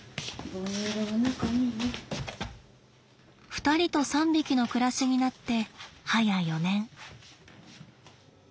２人と３匹の暮らしになって早４年。